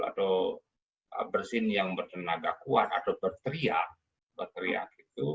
atau bersin yang bertenaga kuat atau berteriak